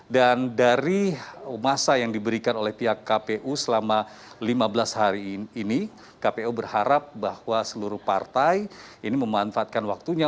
dan dari masa yang diberikan oleh pihak kpu selama lima belas hari ini kpu berharap bahwa seluruh partai ini memanfaatkan waktunya